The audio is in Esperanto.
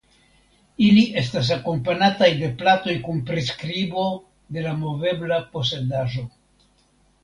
Ili estas akompanataj de platoj kun priskribo de la movebla posedaĵo.